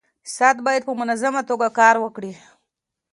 ساعت باید په منظمه توګه کار وکړي.